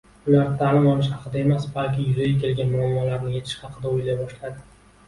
Ular taʼlim olish haqida emas, balki yuzaga kelgan muammolarni yechish haqida oʻylay boshladi.